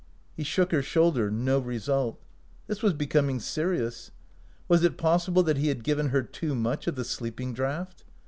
He shook her shoulder — no result. This was becoming serious. Was it possi ble that he had given her too much of the sleeping draught?